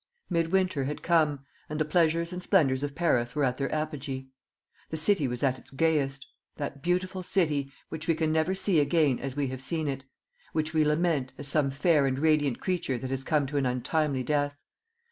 Mid Winter had come, and the pleasures and splendours of Paris were at their apogee. The city was at its gayest that beautiful city, which we can never see again as we have seen it; which we lament, as some fair and radiant creature that has come to an untimely death.